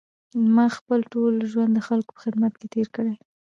ما خپل ټول ژوند د خلکو په خدمت کې تېر کړی.